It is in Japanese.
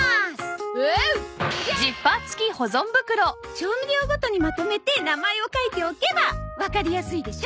調味料ごとにまとめて名前を書いておけばわかりやすいでしょ？